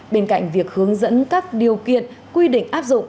bên cạnh việc hướng dẫn các điều kiện quy định áp dụng